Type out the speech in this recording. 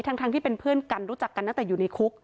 ทั้งที่เป็นเพื่อนกันรู้จักกันตั้งแต่อยู่ในคุก